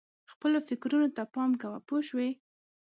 خپلو فکرونو ته پام کوه پوه شوې!.